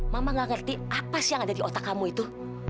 mama gak ngerti apa sih yang ada di otak kamu itu